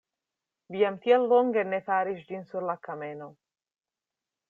Vi jam tiel longe ne faris ĝin sur la kameno!